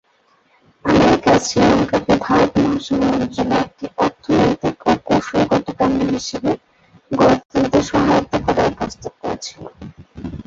America শ্রীলঙ্কাকে ভারত মহাসাগর অঞ্চলে একটি অর্থনৈতিক ও কৌশলগত কেন্দ্র হিসাবে গড়ে তুলতে সহায়তা করার প্রস্তাব করেছিল।